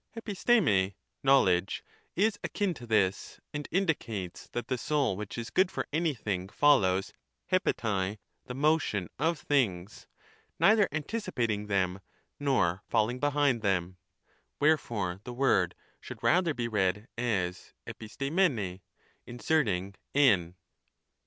'E7TiariiiJ,r] (knowledge) is akin to this, and indicates that the soul which is good for anything follows (eTrerat) the motion of things, neither anticipating them nor falling behind them : wherefore the word should rather be read as tTTiarrjuevij ', inserting iv.